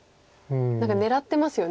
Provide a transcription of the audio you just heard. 何か狙ってますよね。